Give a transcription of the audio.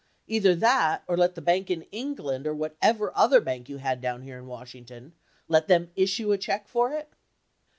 Either that or let the bank in England or whatever other bank you had down here in Washington — let them issue a check for it